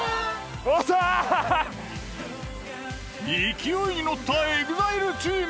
勢いにのったＥＸＩＬＥチーム。